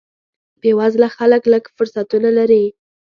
بې وزله خلک لږ فرصتونه لري.